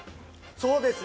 そうですね。